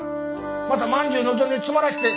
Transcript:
またまんじゅうのどに詰まらして。